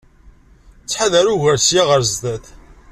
Ttḥadar ugar seg-a ar sdat.